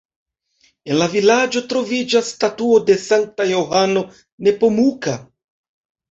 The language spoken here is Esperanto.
En la vilaĝo troviĝas statuo de Sankta Johano Nepomuka.